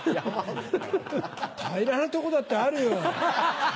平らなとこだってあるよ。